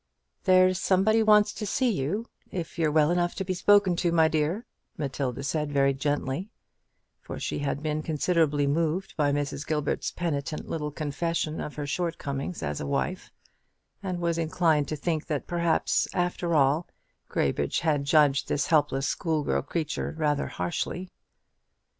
"There's somebody wants to see you, if you're well enough to be spoken to, my dear," Matilda said, very gently; for she had been considerably moved by Mrs. Gilbert's penitent little confession of her shortcomings as a wife; and was inclined to think that perhaps, after all, Graybridge had judged this helpless schoolgirl creature rather harshly.